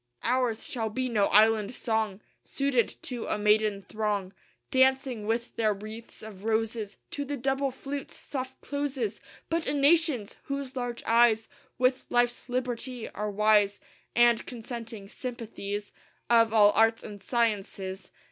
III Ours shall be no island song, Suited to a maiden throng, Dancing with their wreaths of roses To the double flute's soft closes! But a Nation's! whose large eyes With life's liberty are wise, And consenting sympathies Of all arts and sciences.